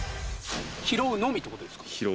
拾うのみってことですか？